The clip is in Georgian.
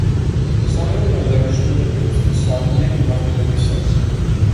სამეურნეო დანიშნულებით საღვინე მიმართულებისაა.